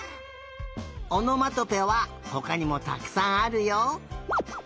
おのまとぺはほかにもたくさんあるよ。